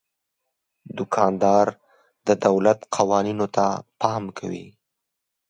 دوکاندار د دولت قوانینو ته پام کوي.